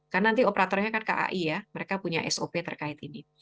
karena nanti operatornya kai mereka punya sop terkait ini